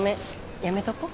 やめとこう。